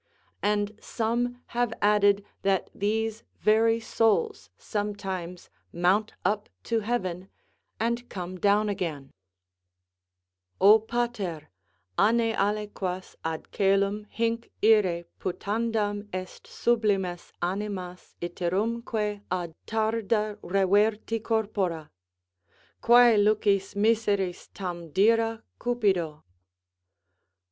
And some have added that these very souls sometimes mount up to heaven, and come down again: O pater, aime aliquas ad colum hinc ire putandum est Sublimes animas, iterumque ad tarda reverti Corpora? Quæ lucis miseris tam dira cupido?